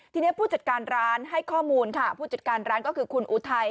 ทีนี้ผู้จัดการร้านให้ข้อมูลค่ะผู้จัดการร้านก็คือคุณอุทัย